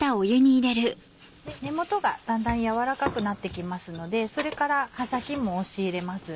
根元がだんだん軟らかくなって来ますのでそれから葉先も押し入れます。